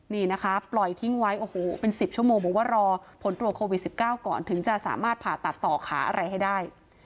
นี่นะคะปล่อยทิ้งไว้โอ้โหเป็น๑๐ชั่วโมงบอกว่ารอผลตรวจโควิด๑๙ก่อนถึงจะสามารถผ่าตัดต่อขาอะไรให้ได้